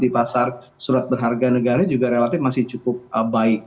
di pasar surat berharga negara juga relatif masih cukup baik